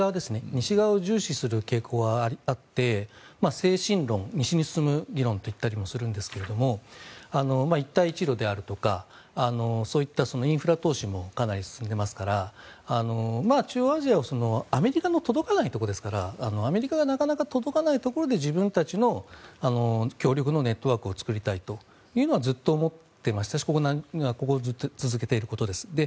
西側を重視する傾向はあって西進論、西に進む理論と言ったりするんですが一帯一路であるとかそういったインフラ投資もかなり進んでますから中央アジアをアメリカの届かないところですからアメリカがなかなか届かないところで自分たちの協力のネットワークを作りたいというのはずっと思っていましたしここずっと続けていることです。